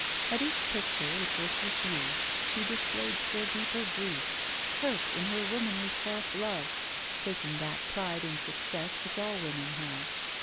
At each picture which was refused she displayed still deeper grief, hurt in her womanly self love, taking that pride in success which all women have.